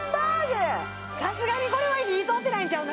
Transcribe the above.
さすがにこれは火通ってないんちゃう？